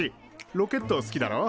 ロケット好きだろ？